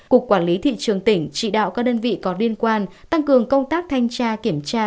cục quản lý thị trường tỉnh chỉ đạo các đơn vị có liên quan tăng cường công tác thanh tra kiểm tra